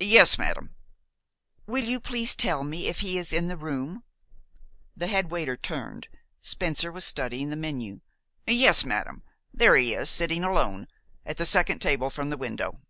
"Yes, madam." "Will you please tell me if he is in the room?" The head waiter turned. Spencer was studying the menu. "Yes, madam. There he is, sitting alone, at the second table from the window."